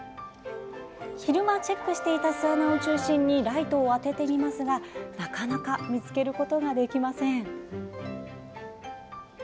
昼間チェックしていた巣穴を中心にライトを当ててみますがなかなか見つけることができません。